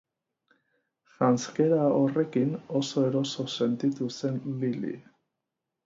Janzkera horrekin oso eroso sentitu zen Lili.